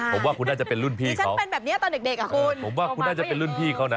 ผมว่าคุณน่าจะเป็นรุ่นพี่เขาผมว่าคุณน่าจะเป็นรุ่นพี่เขานะ